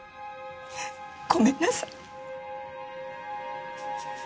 ごめんなさい。